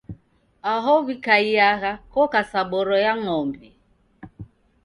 Aho w'ikaiya koka sa boro ya ng'ombe.